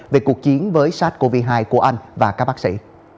về cuộc chiến với sars cov hai của anh và các bác sĩ